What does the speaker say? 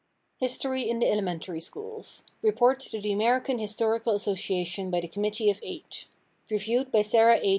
History in the Elementary Schools REPORT TO THE AMERICAN HISTORICAL ASSOCIATION BY THE COMMITTEE OF EIGHT REVIEWED BY SARAH A.